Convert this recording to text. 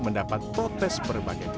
mendapat protes berbagai bagai